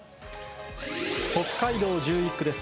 北海道１１区です。